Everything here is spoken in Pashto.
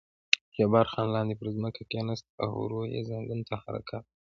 جبار خان لاندې پر ځمکه کېناست او ورو یې زنګون ته حرکات ورکړل.